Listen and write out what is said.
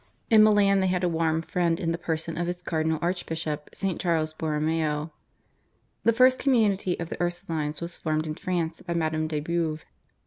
In Milan they had a warm friend in the person of its Cardinal Archbishop, St. Charles Borromeo. The first community of the Ursulines was formed in France by Madame de Beuve.